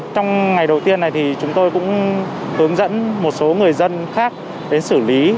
trong ngày đầu tiên này thì chúng tôi cũng hướng dẫn một số người dân khác đến xử lý